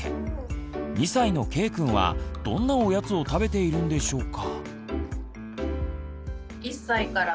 ２歳のけいくんはどんなおやつを食べているんでしょうか。